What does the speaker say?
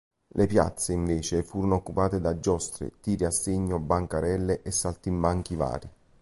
Le piazze, invece, furono occupate da giostre, tiri a segno, bancarelle e saltimbanchi vari.